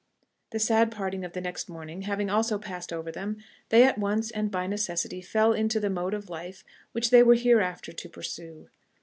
The sad parting of the next morning having also passed over them, they at once, and by necessity, fell into the mode of life which they were hereafter to pursue.